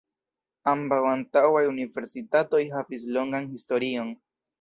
Ambaŭ antaŭaj universitatoj havis longan historion.